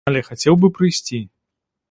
Але хацеў бы прыйсці.